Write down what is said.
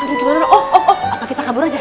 aduh gimana oh oh oh kita kabur aja